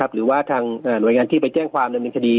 หรือว่าหลวยงานที่จะไปแจ้งความในมีคดี